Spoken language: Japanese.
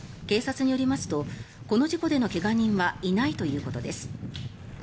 警察によりますとこの事故での怪我人はいないということです。